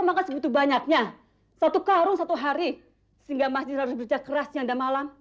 makan sebutu banyaknya satu karun satu hari sehingga masih harus kerja kerasnya dan malam